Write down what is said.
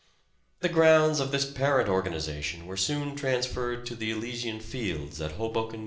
The grounds of this parent organization were soon transferred to the Elysian Fields, at Hoboken, N.